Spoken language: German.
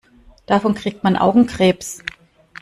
Davon kriegt man Augenkrebs.